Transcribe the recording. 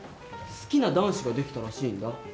好きな男子ができたらしいんだ。